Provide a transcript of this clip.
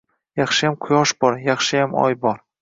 Yaxshiyam quyosh bor, yaxshiyam oy bor